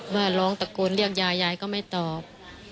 ว่าร้องตะโกนเรียกยายยายก็ไม่ตอบ